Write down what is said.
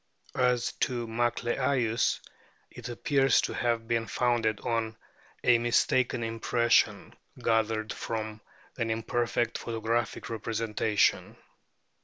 As to Macleayius, it appears to have been founded " on a mistaken impression gathered from an im RIGHT WHALES 125 perfect photographic representation."